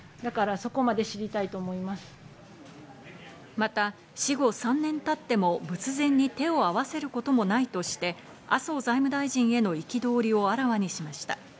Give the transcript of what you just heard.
また死後３年経っても、仏前に手を合わせることもないとして、麻生財務大臣への憤りをあらわにしました。